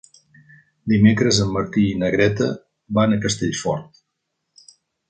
Dimecres en Martí i na Greta van a Castellfort.